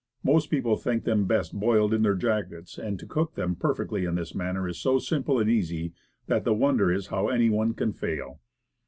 Most people think them best boiled in their jackets, and to cook them perfectly in this manner is so simple and easy, that the wonder is how any one can fail.